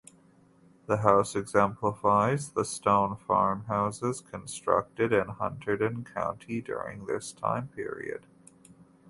The house exemplifies the stone farmhouses constructed in Hunterdon County during this time period.